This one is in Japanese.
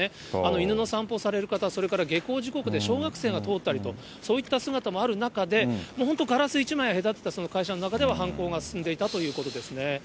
犬の散歩をされる方、それから下校時刻で小学生が通ったりと、そういった姿もある中で、本当、ガラス１枚を隔てた会社の中では犯行が進んでいたということです